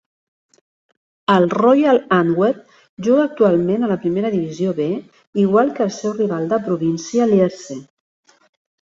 El Royal Antwerp juga actualment a la Primera Divisió B, igual que el seu rival de província Lierse.